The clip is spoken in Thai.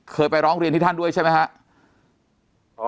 ไปร้องเรียนที่ท่านด้วยใช่ไหมครับ